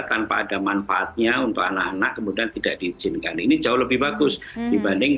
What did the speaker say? tanpa ada manfaatnya untuk anak anak kemudian tidak diizinkan ini jauh lebih bagus dibanding